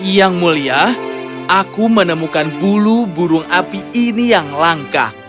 yang mulia aku menemukan bulu burung api ini yang langka